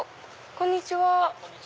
こんにちは。